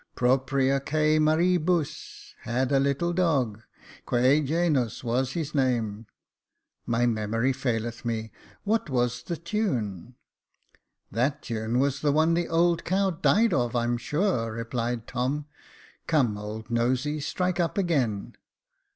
—*' Propria qate maribut had a little dog, Qute genus was his name —" My memory faileth me — what was the tune ?"" That tune was the one the old cow died of, I'm sure," replied Tom. " Come, old Nosey, strike up again."